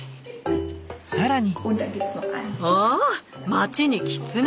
更に！